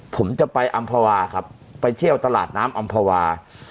ผมจะไปอำควาครับไปเจ้าตลาดน้ำอำควา